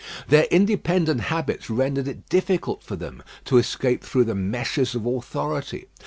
Their independent habits rendered it difficult for them to escape through the meshes of authority.